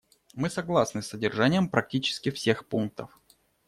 Мы согласны с содержанием практически всех пунктов.